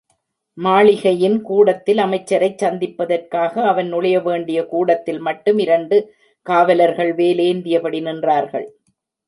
மாளிகையின் கூடத்தில் அமைச்சரைச் சந்திப்பதற்காக அவன் நுழையவேண்டிய கூடத்தில் மட்டும் இரண்டு காவலர்கள் வேலேந்தியபடி நின்றார்கள்.